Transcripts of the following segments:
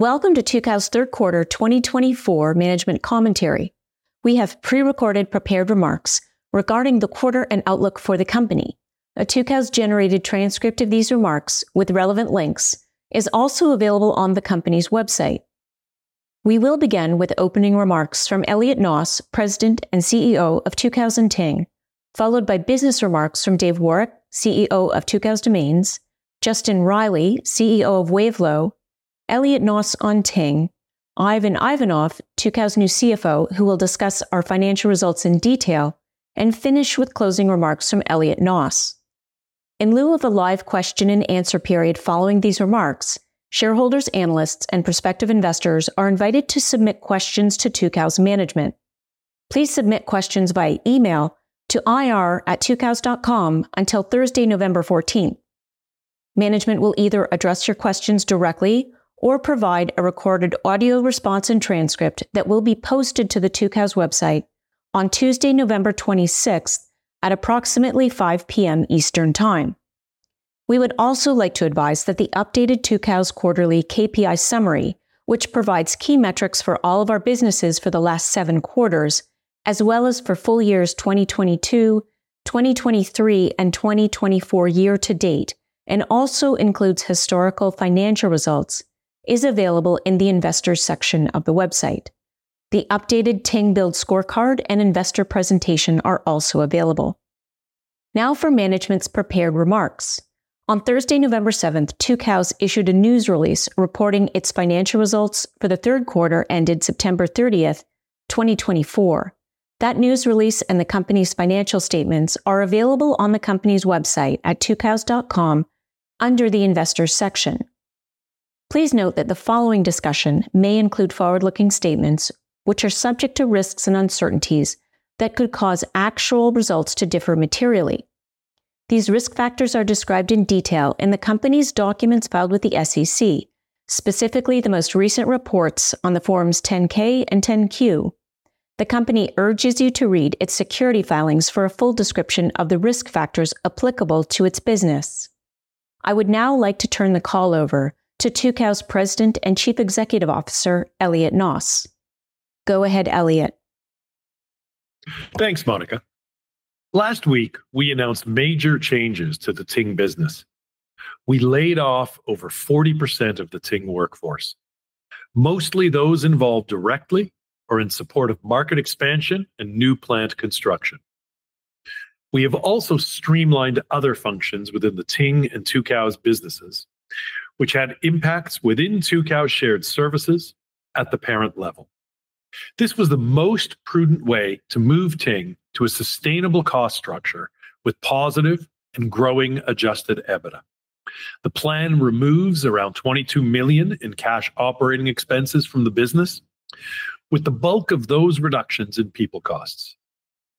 Welcome to Tucows Third Quarter 2024 Management Commentary. We have pre-recorded prepared remarks regarding the quarter and outlook for the company. A Tucows-generated transcript of these remarks, with relevant links, is also available on the company's website. We will begin with opening remarks from Elliot Noss, President and CEO of Tucows and Ting, followed by business remarks from Dave Woroch, CEO of Tucows Domains, Justin Reilly, CEO of Wavelo, Elliot Noss on Ting, Ivan Ivanov, Tucows new CFO, who will discuss our financial results in detail, and finish with closing remarks from Elliot Noss. In lieu of a live question-and-answer period following these remarks, shareholders, analysts, and prospective investors are invited to submit questions to Tucows Management. Please submit questions by email to ir@tucows.com until Thursday, November 14th. Management will either address your questions directly or provide a recorded audio response and transcript that will be posted to the Tucows website on Tuesday, November 26th, at approximately 5:00 P.M. Eastern Time. We would also like to advise that the updated Tucows Quarterly KPI Summary, which provides key metrics for all of our businesses for the last seven quarters, as well as for full years 2022, 2023, and 2024 year to date, and also includes historical financial results, is available in the Investors section of the website. The updated Ting Build Scorecard and Investor Presentation are also available. Now for Management's prepared remarks. On Thursday, November 7th, Tucows issued a news release reporting its financial results for the third quarter ended September 30th, 2024. That news release and the company's financial statements are available on the company's website at tucows.com under the Investors section. Please note that the following discussion may include forward-looking statements which are subject to risks and uncertainties that could cause actual results to differ materially. These risk factors are described in detail in the company's documents filed with the SEC, specifically the most recent reports on the forms 10-K and 10-Q. The company urges you to read its securities filings for a full description of the risk factors applicable to its business. I would now like to turn the call over to Tucows President and Chief Executive Officer, Elliot Noss. Go ahead, Elliot. Thanks, Monica. Last week, we announced major changes to the Ting business. We laid off over 40% of the Ting workforce, mostly those involved directly or in support of market expansion and new plant construction. We have also streamlined other functions within the Ting and Tucows businesses, which had impacts within Tucows shared services at the parent level. This was the most prudent way to move Ting to a sustainable cost structure with positive and growing Adjusted EBITDA. The plan removes around $22 million in cash operating expenses from the business, with the bulk of those reductions in people costs.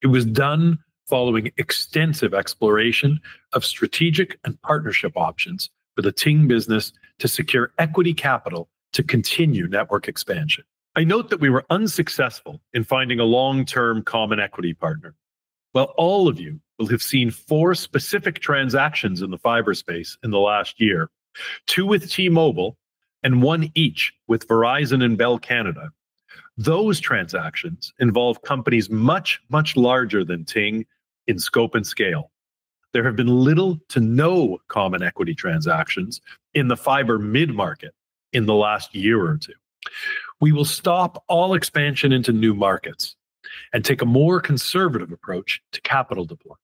It was done following extensive exploration of strategic and partnership options for the Ting business to secure equity capital to continue network expansion. I note that we were unsuccessful in finding a long-term common equity partner. All of you will have seen four specific transactions in the fiber space in the last year, two with T-Mobile and one each with Verizon and Bell Canada. Those transactions involve companies much, much larger than Ting in scope and scale. There have been little to no common equity transactions in the fiber mid-market in the last year or two. We will stop all expansion into new markets and take a more conservative approach to capital deployment,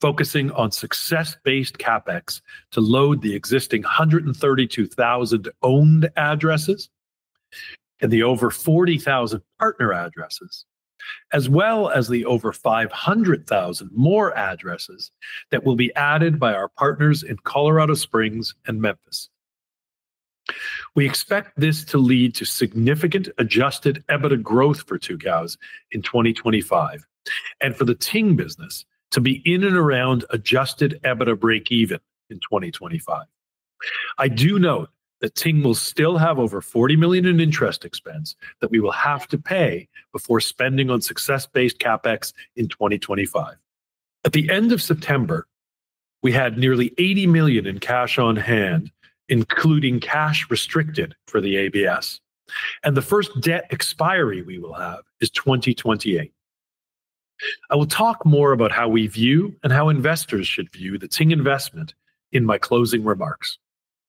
focusing on success-based CapEx to load the existing 132,000 owned addresses and the over 40,000 partner addresses, as well as the over 500,000 more addresses that will be added by our partners in Colorado Springs and Memphis. We expect this to lead to significant Adjusted EBITDA growth for Tucows in 2025 and for the Ting business to be in and around Adjusted EBITDA break-even in 2025. I do note that Ting will still have over $40 million in interest expense that we will have to pay before spending on success-based CapEx in 2025. At the end of September, we had nearly $80 million in cash on hand, including cash restricted for the ABS, and the first debt expiry we will have is 2028. I will talk more about how we view and how investors should view the Ting investment in my closing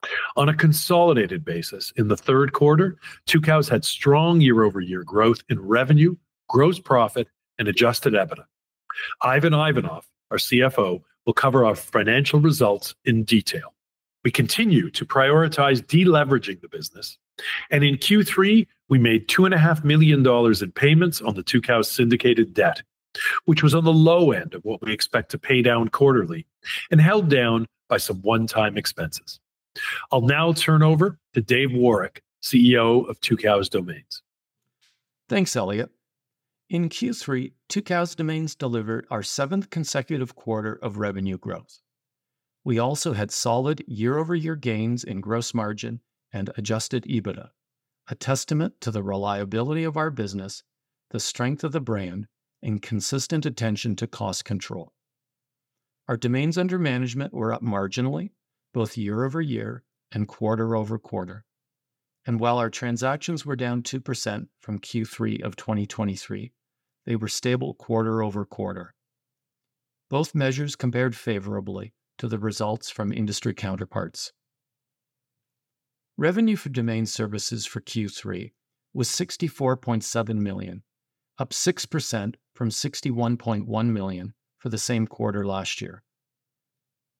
remarks. On a consolidated basis, in the third quarter, Tucows had strong year-over-year growth in revenue, gross profit, and Adjusted EBITDA. Ivan Ivanov, our CFO, will cover our financial results in detail. We continue to prioritize deleveraging the business, and in Q3, we made $2.5 million in payments on the Tucows syndicated debt, which was on the low end of what we expect to pay down quarterly and held down by some one-time expenses. I'll now turn over to Dave Woroch, CEO of Tucows Domains. Thanks, Elliot. In Q3, Tucows Domains delivered our seventh consecutive quarter of revenue growth. We also had solid year-over-year gains in gross margin and Adjusted EBITDA, a testament to the reliability of our business, the strength of the brand, and consistent attention to cost control. Our domains under management were up marginally, both year-over-year and quarter-over-quarter, and while our transactions were down 2% from Q3 of 2023, they were stable quarter-over-quarter. Both measures compared favorably to the results from industry counterparts. Revenue for domain services for Q3 was $64.7 million, up 6% from $61.1 million for the same quarter last year.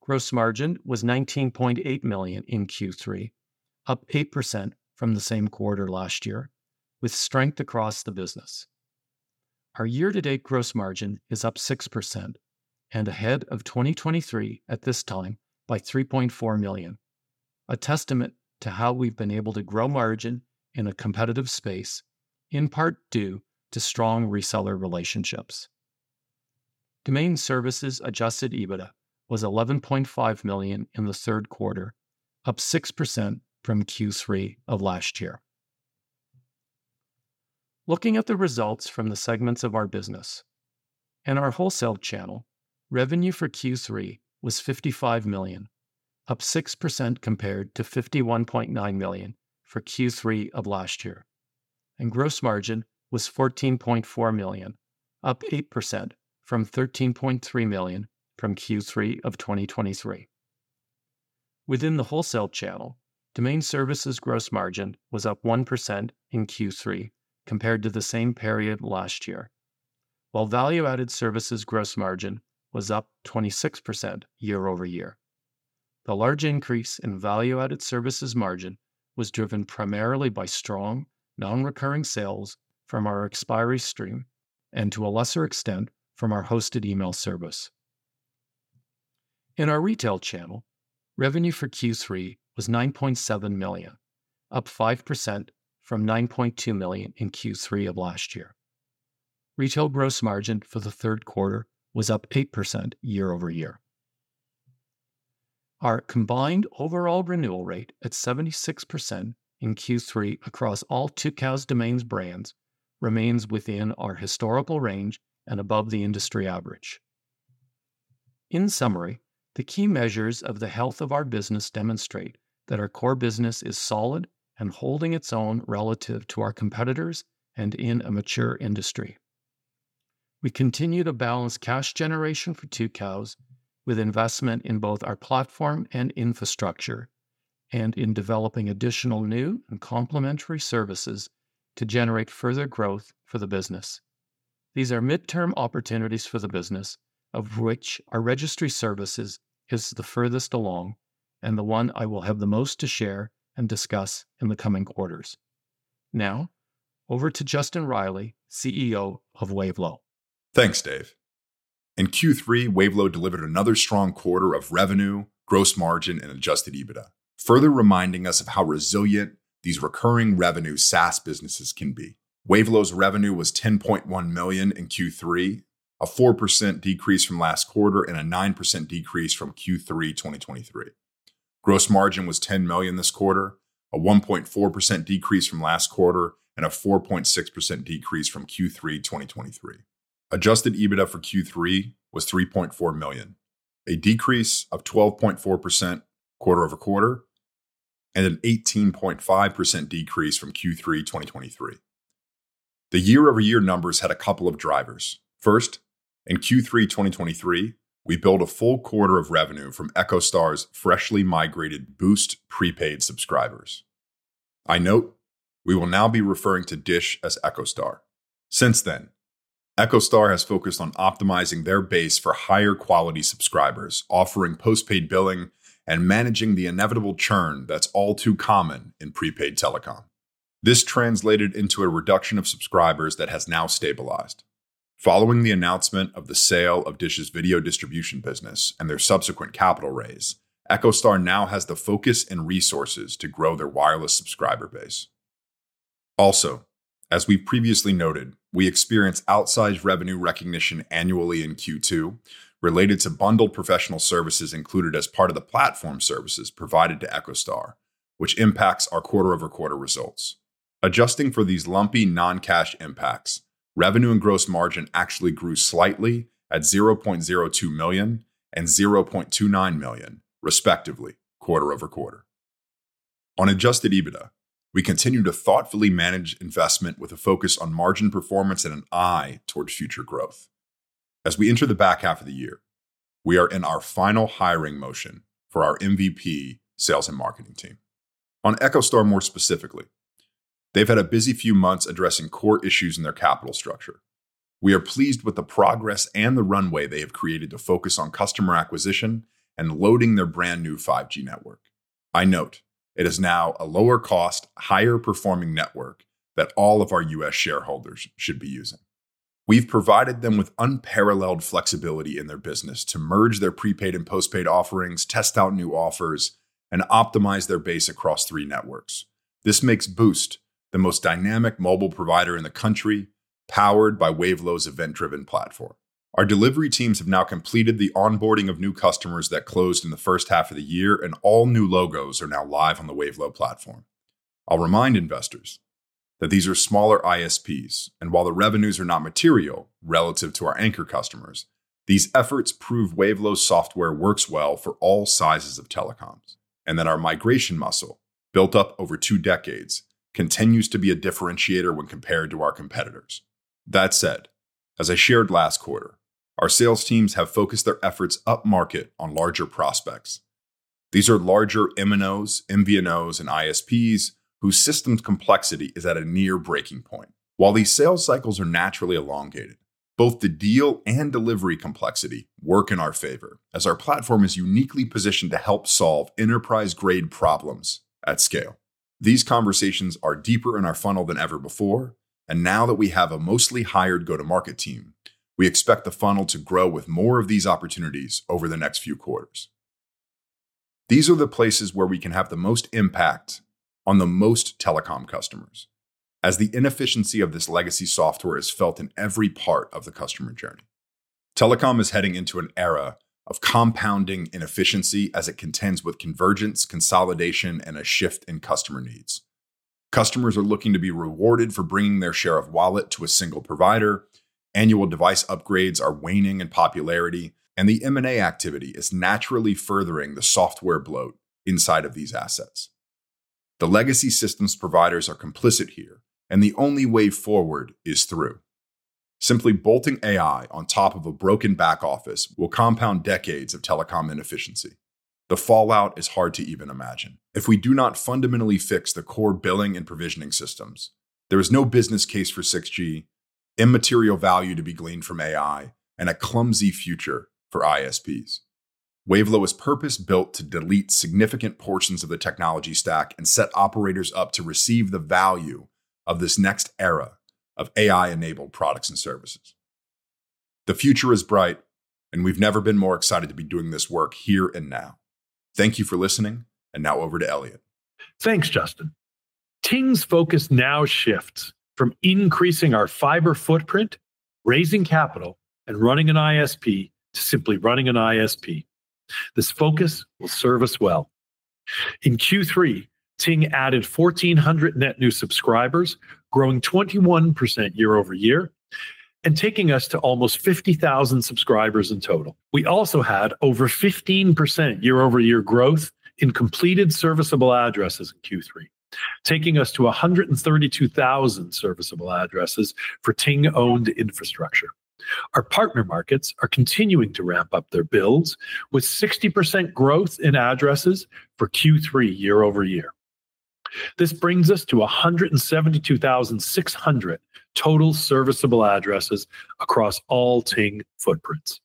Gross margin was $19.8 million in Q3, up 8% from the same quarter last year, with strength across the business. Our year-to-date gross margin is up 6% and ahead of 2023 at this time by $3.4 million, a testament to how we've been able to grow margin in a competitive space, in part due to strong reseller relationships. Domain services Adjusted EBITDA was $11.5 million in the third quarter, up 6% from Q3 of last year. Looking at the results from the segments of our business and our wholesale channel, revenue for Q3 was $55 million, up 6% compared to $51.9 million for Q3 of last year, and gross margin was $14.4 million, up 8% from $13.3 million from Q3 of 2023. Within the wholesale channel, domain services gross margin was up 1% in Q3 compared to the same period last year, while value-added services gross margin was up 26% year-over-year. The large increase in value-added services margin was driven primarily by strong, non-recurring sales from our expiry stream and, to a lesser extent, from our hosted email service. In our retail channel, revenue for Q3 was $9.7 million, up 5% from $9.2 million in Q3 of last year. Retail gross margin for the third quarter was up 8% year-over-year. Our combined overall renewal rate at 76% in Q3 across all Tucows Domains brands remains within our historical range and above the industry average. In summary, the key measures of the health of our business demonstrate that our core business is solid and holding its own relative to our competitors and in a mature industry. We continue to balance cash generation for Tucows with investment in both our platform and infrastructure and in developing additional new and complementary services to generate further growth for the business. These are midterm opportunities for the business, of which our registry services is the furthest along and the one I will have the most to share and discuss in the coming quarters. Now, over to Justin Reilly, CEO of Wavelo. Thanks, Dave. In Q3, Wavelo delivered another strong quarter of revenue, gross margin, and Adjusted EBITDA, further reminding us of how resilient these recurring revenue SaaS businesses can be. Wavelo's revenue was $10.1 million in Q3, a 4% decrease from last quarter and a 9% decrease from Q3 2023. Gross margin was $10 million this quarter, a 1.4% decrease from last quarter, and a 4.6% decrease from Q3 2023. Adjusted EBITDA for Q3 was $3.4 million, a decrease of 12.4% quarter-over-quarter, and an 18.5% decrease from Q3 2023. The year-over-year numbers had a couple of drivers. First, in Q3 2023, we built a full quarter of revenue from EchoStar's freshly migrated Boost prepaid subscribers. I note we will now be referring to DISH as EchoStar. Since then, EchoStar has focused on optimizing their base for higher quality subscribers, offering postpaid billing and managing the inevitable churn that's all too common in prepaid telecom. This translated into a reduction of subscribers that has now stabilized. Following the announcement of the sale of DISH's video distribution business and their subsequent capital raise, EchoStar now has the focus and resources to grow their wireless subscriber base. Also, as we previously noted, we experience outsized revenue recognition annually in Q2 related to bundled professional services included as part of the platform services provided to EchoStar, which impacts our quarter-over-quarter results. Adjusting for these lumpy non-cash impacts, revenue and gross margin actually grew slightly at $0.02 million and $0.29 million, respectively, quarter-over-quarter. On Adjusted EBITDA, we continue to thoughtfully manage investment with a focus on margin performance and an eye towards future growth. As we enter the back half of the year, we are in our final hiring motion for our MVP sales and marketing team. On EchoStar more specifically, they've had a busy few months addressing core issues in their capital structure. We are pleased with the progress and the runway they have created to focus on customer acquisition and loading their brand new 5G network. I note it is now a lower-cost, higher-performing network that all of our U.S. shareholders should be using. We've provided them with unparalleled flexibility in their business to merge their prepaid and postpaid offerings, test out new offers, and optimize their base across three networks. This makes Boost the most dynamic mobile provider in the country, powered by Wavelo's event-driven platform. Our delivery teams have now completed the onboarding of new customers that closed in the first half of the year, and all new logos are now live on the Wavelo platform. I'll remind investors that these are smaller ISPs, and while the revenues are not material relative to our anchor customers, these efforts prove Wavelo's software works well for all sizes of telecoms and that our migration muscle, built up over two decades, continues to be a differentiator when compared to our competitors. That said, as I shared last quarter, our sales teams have focused their efforts upmarket on larger prospects. These are larger MNOs, MVNOs, and ISPs whose systems complexity is at a near breaking point. While these sales cycles are naturally elongated, both the deal and delivery complexity work in our favor as our platform is uniquely positioned to help solve enterprise-grade problems at scale. These conversations are deeper in our funnel than ever before, and now that we have a mostly hired go-to-market team, we expect the funnel to grow with more of these opportunities over the next few quarters. These are the places where we can have the most impact on the most telecom customers, as the inefficiency of this legacy software is felt in every part of the customer journey. Telecom is heading into an era of compounding inefficiency as it contends with convergence, consolidation, and a shift in customer needs. Customers are looking to be rewarded for bringing their share of wallet to a single provider. Annual device upgrades are waning in popularity, and the M&A activity is naturally furthering the software bloat inside of these assets. The legacy systems providers are complicit here, and the only way forward is through. Simply bolting AI on top of a broken back office will compound decades of telecom inefficiency. The fallout is hard to even imagine if we do not fundamentally fix the core billing and provisioning systems. There is no business case for 6G, immaterial value to be gleaned from AI, and a clumsy future for ISPs. Wavelo is purpose-built to delete significant portions of the technology stack and set operators up to receive the value of this next era of AI-enabled products and services. The future is bright, and we've never been more excited to be doing this work here and now. Thank you for listening, and now over to Elliot. Thanks, Justin. Ting's focus now shifts from increasing our fiber footprint, raising capital, and running an ISP to simply running an ISP. This focus will serve us well. In Q3, Ting added 1,400 net new subscribers, growing 21% year-over-year and taking us to almost 50,000 subscribers in total. We also had over 15% year-over-year growth in completed serviceable addresses in Q3, taking us to 132,000 serviceable addresses for Ting-owned infrastructure. Our partner markets are continuing to ramp up their builds with 60% growth in addresses for Q3 year-over-year. This brings us to 172,600 total serviceable addresses across all Ting footprints.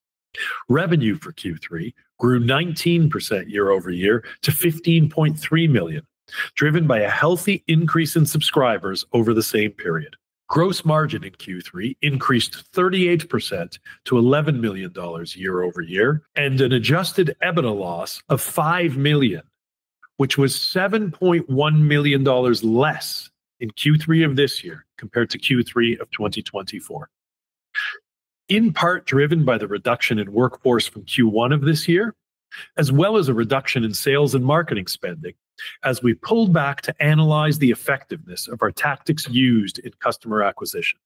Revenue for Q3 grew 19% year-over-year to $15.3 million, driven by a healthy increase in subscribers over the same period. Gross margin in Q3 increased 38% to $11 million year-over-year and an Adjusted EBITDA loss of $5 million, which was $7.1 million less in Q3 of this year compared to Q3 of 2024, in part driven by the reduction in workforce from Q1 of this year, as well as a reduction in sales and marketing spending as we pulled back to analyze the effectiveness of our tactics used in customer acquisition.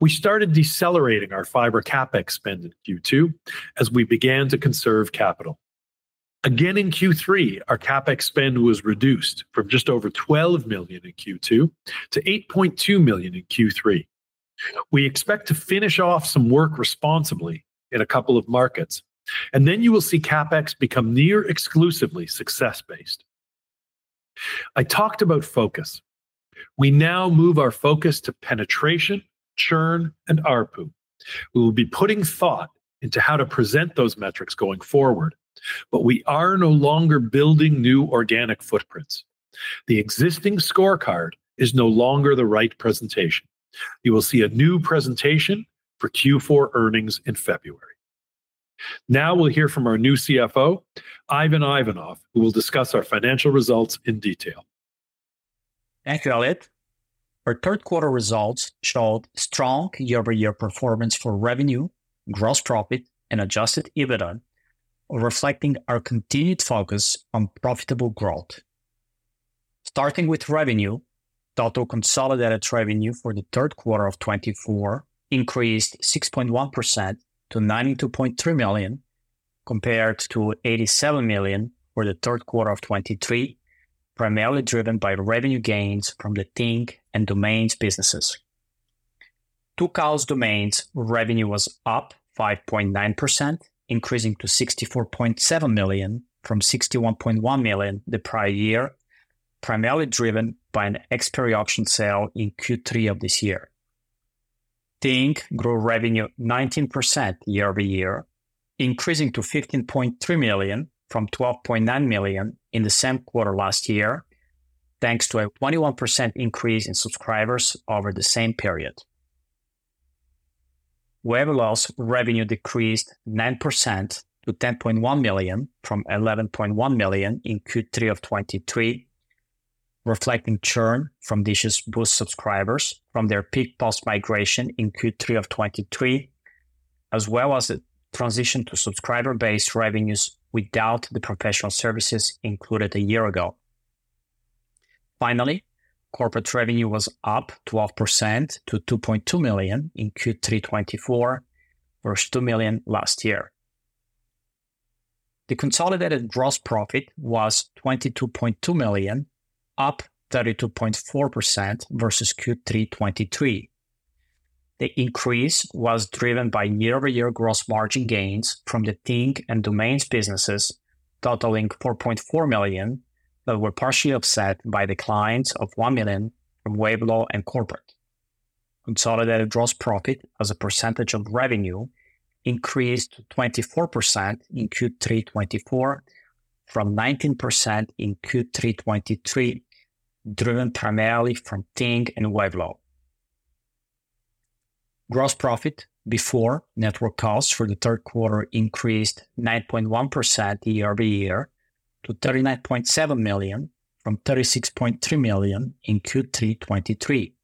We started decelerating our fiber CapEx spend in Q2 as we began to conserve capital. Again, in Q3, our CapEx spend was reduced from just over $12 million in Q2 to $8.2 million in Q3. We expect to finish off some work responsibly in a couple of markets, and then you will see CapEx become near exclusively success-based. I talked about focus. We now move our focus to penetration, churn, and ARPU. We will be putting thought into how to present those metrics going forward, but we are no longer building new organic footprints. The existing scorecard is no longer the right presentation. You will see a new presentation for Q4 earnings in February. Now we'll hear from our new CFO, Ivan Ivanov, who will discuss our financial results in detail. Thank you, Elliot. Our third-quarter results showed strong year-over-year performance for revenue, gross profit, and Adjusted EBITDA, reflecting our continued focus on profitable growth. Starting with revenue, total consolidated revenue for the third quarter of 2024 increased 6.1% to $92.3 million compared to $87 million for the third quarter of 2023, primarily driven by revenue gains from the Ting and Domains businesses. Tucows Domains revenue was up 5.9%, increasing to $64.7 million from $61.1 million the prior year, primarily driven by an expiry option sale in Q3 of this year. Ting grew revenue 19% year-over-year, increasing to $15.3 million from $12.9 million in the same quarter last year, thanks to a 21% increase in subscribers over the same period. Wavelo's revenue decreased 9% to $10.1 million from $11.1 million in Q3 of 2023, reflecting churn from DISH's Boost subscribers from their peak post-migration in Q3 of 2023, as well as a transition to subscriber-based revenues without the professional services included a year ago. Finally, corporate revenue was up 12% to $2.2 million in Q3 2024 versus $2 million last year. The consolidated gross profit was $22.2 million, up 32.4% versus Q3 2023. The increase was driven by year-over-year gross margin gains from the Ting and Domains businesses, totaling $4.4 million, but were partially offset by declines of $1 million from Wavelo and corporate. Consolidated gross profit, as a percentage of revenue, increased to 24% in Q3 2024 from 19% in Q3 2023, driven primarily from Ting and Wavelo. Gross profit before network costs for the third quarter increased 9.1% year-over-year to $39.7 million from $36.3 million in Q3 2023.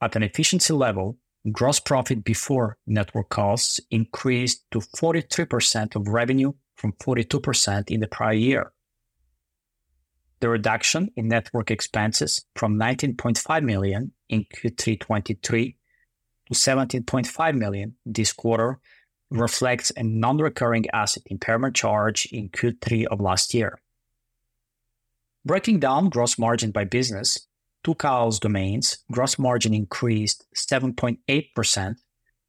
At an efficiency level, gross profit before network costs increased to 43% of revenue from 42% in the prior year. The reduction in network expenses from $19.5 million in Q3 2023 to $17.5 million this quarter reflects a non-recurring asset impairment charge in Q3 of last year. Breaking down gross margin by business, Tucows Domains gross margin increased 7.8%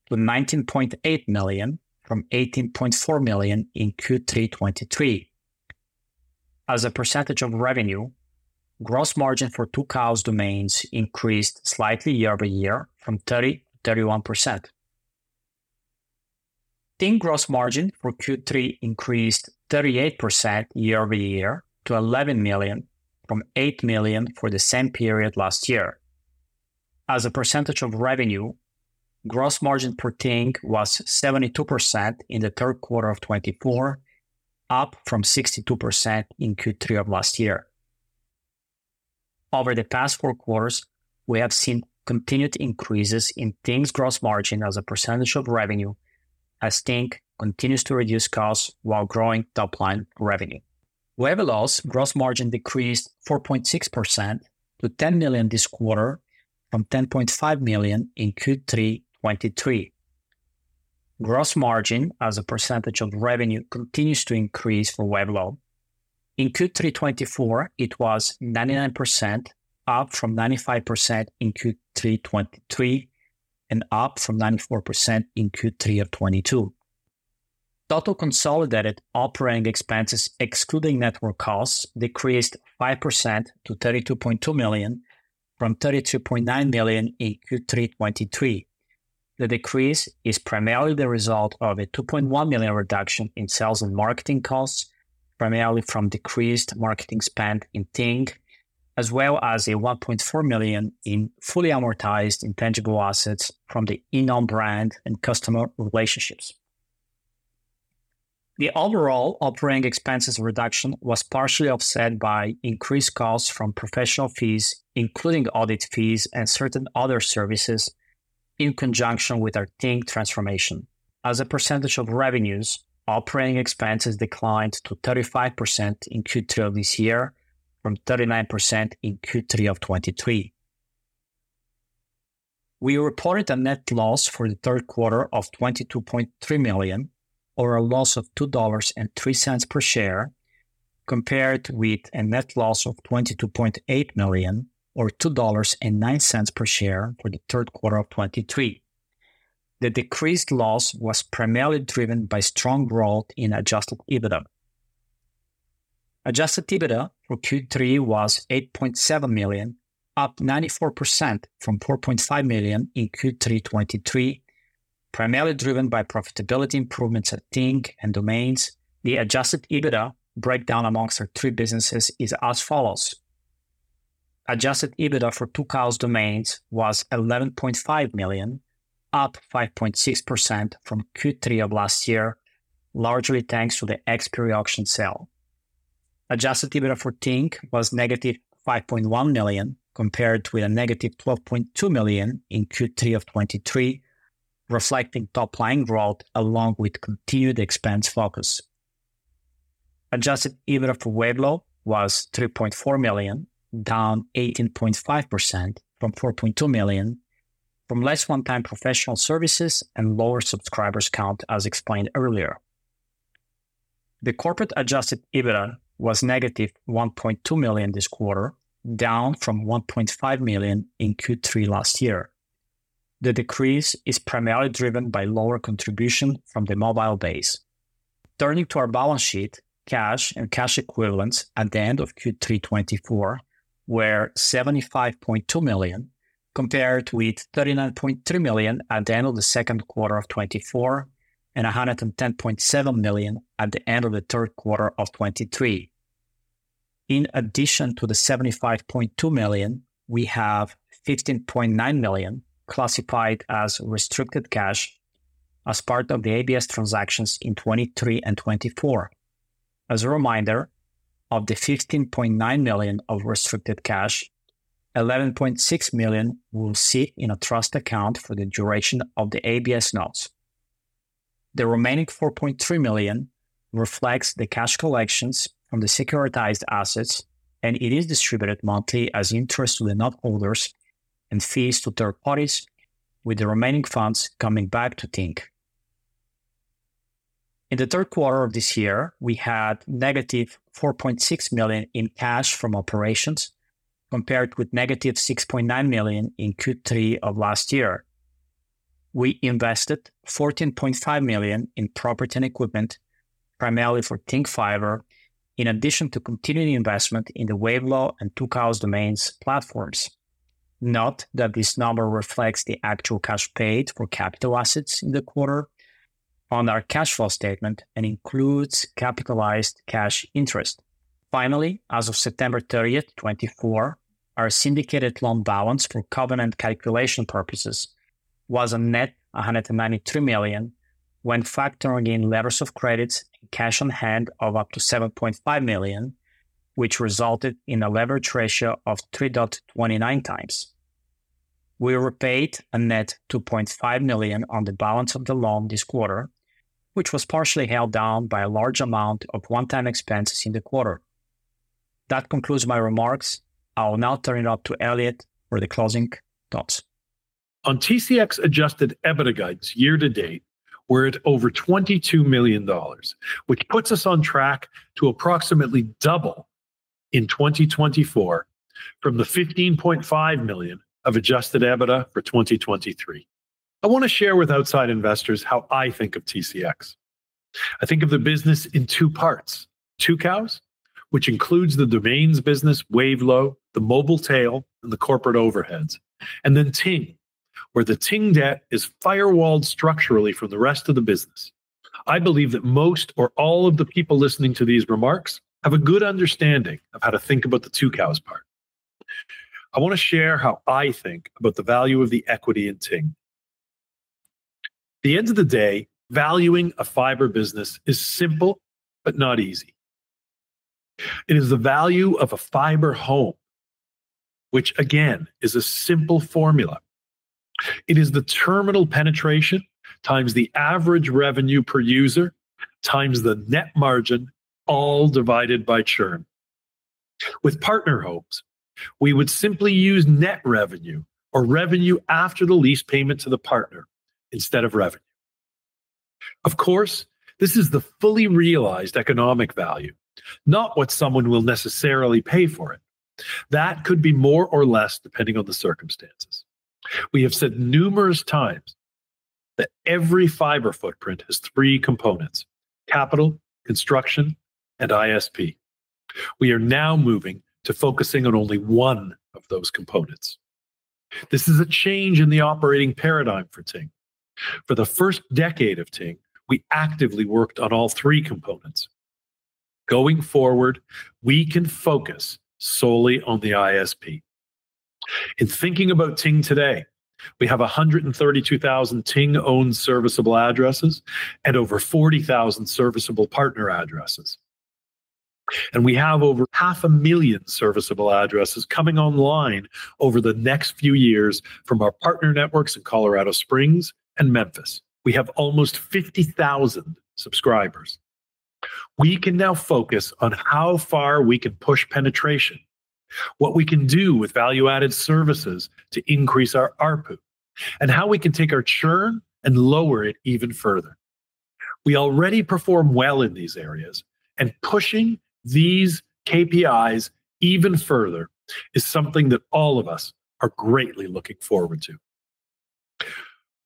to $19.8 million from $18.4 million in Q3 2023. As a percentage of revenue, gross margin for Tucows Domains increased slightly year-over-year from 30% to 31%. Ting gross margin for Q3 increased 38% year-over-year to $11 million from $8 million for the same period last year. As a percentage of revenue, gross margin per Ting was 72% in the third quarter of 2024, up from 62% in Q3 of last year. Over the past four quarters, we have seen continued increases in Ting's gross margin as a percentage of revenue, as Ting continues to reduce costs while growing top-line revenue. Wavelo's gross margin decreased 4.6% to $10 million this quarter from $10.5 million in Q3 2023. Gross margin as a percentage of revenue continues to increase for Wavelo. In Q3 2024, it was 99%, up from 95% in Q3 2023 and up from 94% in Q3 of 2022. Total consolidated operating expenses, excluding network costs, decreased 5% to $32.2 million from $32.9 million in Q3 2023. The decrease is primarily the result of a $2.1 million reduction in sales and marketing costs, primarily from decreased marketing spend in Ting, as well as a $1.4 million in fully amortized intangible assets from the Enom brand and customer relationships. The overall operating expenses reduction was partially offset by increased costs from professional fees, including audit fees and certain other services, in conjunction with our Ting transformation. As a percentage of revenues, operating expenses declined to 35% in Q3 of this year from 39% in Q3 of 2023. We reported a net loss for the third quarter of $22.3 million, or a loss of $2.03 per share, compared with a net loss of $22.8 million, or $2.09 per share for the third quarter of 2023. The decreased loss was primarily driven by strong growth in Adjusted EBITDA. Adjusted EBITDA for Q3 was $8.7 million, up 94% from $4.5 million in Q3 2023, primarily driven by profitability improvements at Ting and Domains. The Adjusted EBITDA breakdown amongst our three businesses is as follows. Adjusted EBITDA for Tucows Domains was $11.5 million, up 5.6% from Q3 of last year, largely thanks to the expiry option sale. Adjusted EBITDA for Ting was -$5.1 million, compared with a -$12.2 million in Q3 of 2023, reflecting top-line growth along with continued expense focus. Adjusted EBITDA for Wavelo was $3.4 million, down 18.5% from $4.2 million, from less one-time professional services and lower subscribers count, as explained earlier. The corporate Adjusted EBITDA was -$1.2 million this quarter, down from $1.5 million in Q3 last year. The decrease is primarily driven by lower contribution from the mobile base. Turning to our balance sheet, cash and cash equivalents at the end of Q3 2024 were $75.2 million, compared with $39.3 million at the end of the second quarter of 2024 and $110.7 million at the end of the third quarter of 2023. In addition to the $75.2 million, we have $15.9 million classified as restricted cash as part of the ABS transactions in 2023 and 2024. As a reminder, of the $15.9 million of restricted cash, $11.6 million will sit in a trust account for the duration of the ABS notes. The remaining $4.3 million reflects the cash collections from the securitized assets, and it is distributed monthly as interest to the note holders and fees to third parties, with the remaining funds coming back to Ting. In the third quarter of this year, we had -$4.6 million in cash from operations, compared with -$6.9 million in Q3 of last year. We invested $14.5 million in property and equipment, primarily for Ting Fiber, in addition to continuing investment in the Wavelo and Tucows Domains platforms. Note that this number reflects the actual cash paid for capital assets in the quarter on our cash flow statement and includes capitalized cash interest. Finally, as of September 30, 2024, our syndicated loan balance for covenant calculation purposes was a net $193 million when factoring in letters of credit and cash on hand of up to $7.5 million, which resulted in a leverage ratio of 3.29x. We repaid a net $2.5 million on the balance of the loan this quarter, which was partially held down by a large amount of one-time expenses in the quarter. That concludes my remarks. I'll now turn it over to Elliot for the closing thoughts. On TCX Adjusted EBITDA guidance year to date, we're at over $22 million, which puts us on track to approximately double in 2024 from the $15.5 million of Adjusted EBITDA for 2023. I want to share with outside investors how I think of TCX. I think of the business in two parts: Tucows, which includes the Domains business, Wavelo, the mobile tail, and the corporate overheads, and then Ting, where the Ting debt is firewalled structurally from the rest of the business. I believe that most or all of the people listening to these remarks have a good understanding of how to think about the Tucows part. I want to share how I think about the value of the equity in Ting. At the end of the day, valuing a fiber business is simple but not easy. It is the value of a fiber home, which, again, is a simple formula. It is the terminal penetration times the average revenue per user times the net margin, all divided by churn. With partner homes, we would simply use net revenue or revenue after the lease payment to the partner instead of revenue. Of course, this is the fully realized economic value, not what someone will necessarily pay for it. That could be more or less depending on the circumstances. We have said numerous times that every fiber footprint has three components: capital, construction, and ISP. We are now moving to focusing on only one of those components. This is a change in the operating paradigm for Ting. For the first decade of Ting, we actively worked on all three components. Going forward, we can focus solely on the ISP. In thinking about Ting today, we have 132,000 Ting-owned serviceable addresses and over 40,000 serviceable partner addresses, and we have over 500,000 serviceable addresses coming online over the next few years from our partner networks in Colorado Springs and Memphis. We have almost 50,000 subscribers. We can now focus on how far we can push penetration, what we can do with value-added services to increase our ARPU, and how we can take our churn and lower it even further. We already perform well in these areas, and pushing these KPIs even further is something that all of us are greatly looking forward to.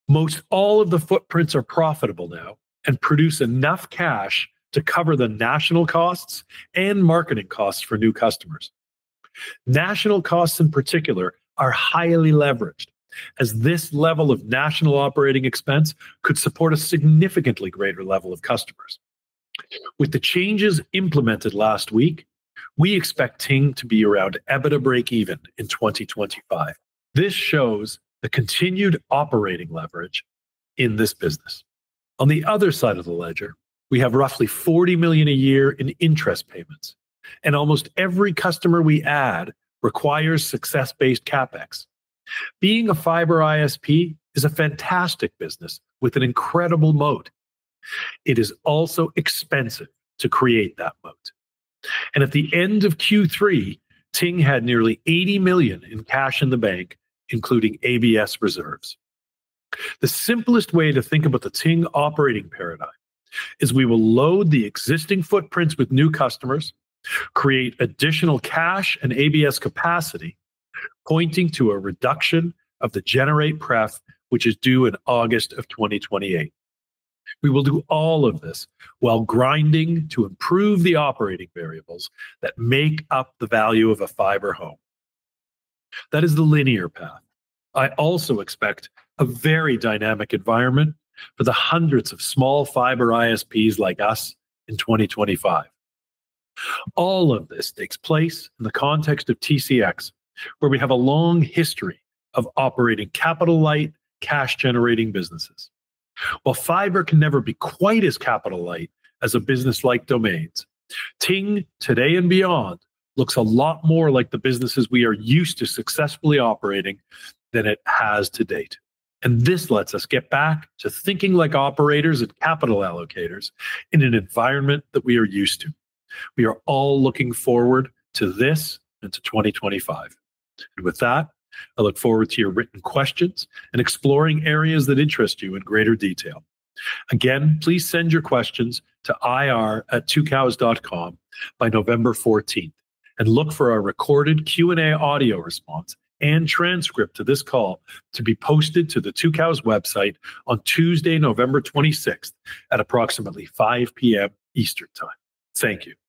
Most all of the footprints are profitable now and produce enough cash to cover the national costs and marketing costs for new customers. National costs, in particular, are highly leveraged, as this level of national operating expense could support a significantly greater level of customers. With the changes implemented last week, we expect Ting to be around EBITDA break-even in 2025. This shows the continued operating leverage in this business. On the other side of the ledger, we have roughly $40 million a year in interest payments, and almost every customer we add requires success-based CapEx. Being a fiber ISP is a fantastic business with an incredible moat. It is also expensive to create that moat. And at the end of Q3, Ting had nearly $80 million in cash in the bank, including ABS reserves. The simplest way to think about the Ting operating paradigm is we will load the existing footprints with new customers, create additional cash and ABS capacity, pointing to a reduction of the Generate pref, which is due in August of 2028. We will do all of this while grinding to improve the operating variables that make up the value of a fiber home. That is the linear path. I also expect a very dynamic environment for the hundreds of small fiber ISPs like us in 2025. All of this takes place in the context of TCX, where we have a long history of operating capital-light, cash-generating businesses. While fiber can never be quite as capital-light as a business like Domains, Ting today and beyond looks a lot more like the businesses we are used to successfully operating than it has to date. And this lets us get back to thinking like operators and capital allocators in an environment that we are used to. We are all looking forward to this into 2025. And with that, I look forward to your written questions and exploring areas that interest you in greater detail. Again, please send your questions to ir@tucows.com by November 14th, and look for our recorded Q&A audio response and transcript to this call to be posted to the Tucows website on Tuesday, November 26th at approximately 5:00 P.M. Eastern Time. Thank you.